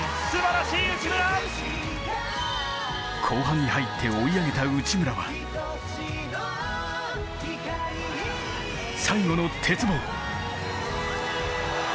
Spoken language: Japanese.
後半に入って追い上げた内村は、最後の鉄棒。